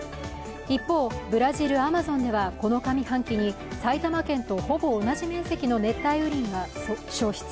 一方、ブラジル・アマゾンではこの上半期に埼玉県とほぼ同じ面積の熱帯雨林が消失。